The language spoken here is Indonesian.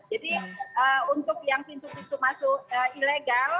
jadi untuk yang pintu pintu masuk ilegal